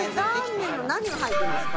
麺が入ってます。